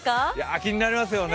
気になりますよね。